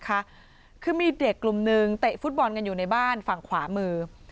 คือมีเด็กกลุ่มนึงเตะฟุตบอลกันอยู่ในบ้านฝั่งขวามือ